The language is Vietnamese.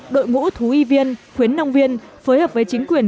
đội ngũ thú y viên khuyến nông viên phối hợp với chính quyền